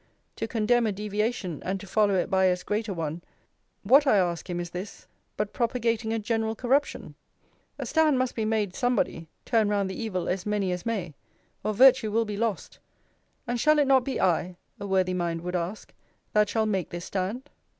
To condemn a deviation, and to follow it by as great a one, what, I ask him, is this, but propagating a general corruption? A stand must be made somebody, turn round the evil as many as may, or virtue will be lost: And shall it not be I, a worthy mind would ask, that shall make this stand?